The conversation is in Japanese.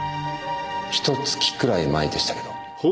ひと月くらい前でしたけど。